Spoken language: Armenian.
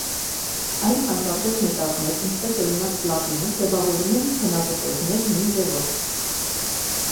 Այլ թանկարժեք մետաղներ, ինչպես օրինակ, պլատինը, ձևավորում են բնակտորներ նույն ձևով։